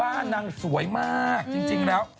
ว่านางสวยมากจริงแล้ว